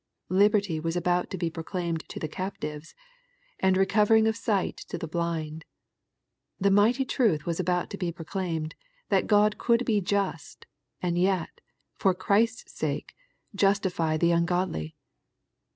Liberty was about to be proclaimed to the captives, and recovering of sight to the blind. The mighty truth was about to be proclaimed that God could be just, and yet, for Christ's sake, justify the ungodly.